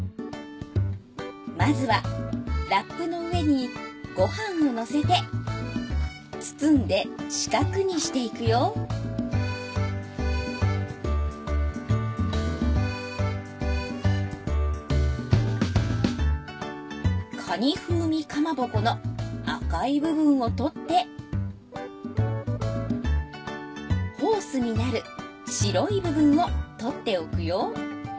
まずはラップの上にごはんをのせて包んで四角にしていくよかに風味かまぼこの赤い部分を取ってホースになる白い部分を取っておくよ。